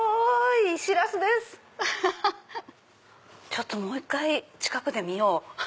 ちょっともう１回近くで見よう。